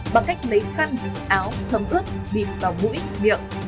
bằng cách lấy khăn áo thấm ướp bịt vào mũi miệng